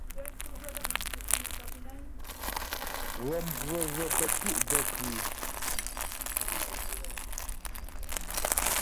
Ghɔm vəvə kətú' bə kʉ́ʉ́ ?